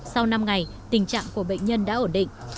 sau năm ngày tình trạng của bệnh nhân đã ổn định